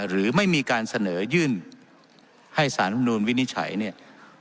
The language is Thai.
หรือไม่มีการเสนอยื่นให้สารธรรมนูลวินิจฉัยเนี่ย